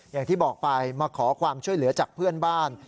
อย่างที่บอกไปมาขอความช่วยเหลือจากเพื่อนบ้าน